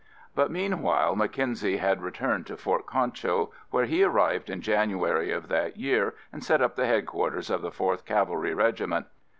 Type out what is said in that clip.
But meanwhile Mackenzie had returned to Fort Concho, where he arrived in January of that year, and set up the headquarters of the 4th Cavalry Regiment.